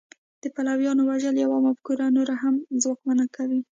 د پلویانو وژل یوه مفکوره نوره هم ځواکمنه کوي